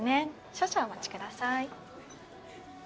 少々お待ちください。